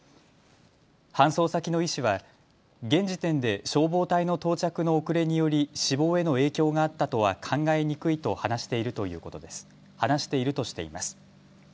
搬送先の医師は現時点で消防隊の到着の遅れにより死亡への影響があったとは考えにくいと話しているとしています。